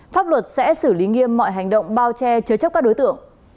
pháp luật sẽ xử lý nghiêm mọi hành động bao che chứa chấp các đối tượng